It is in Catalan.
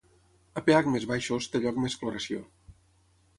A pH més baixos, té lloc més cloració.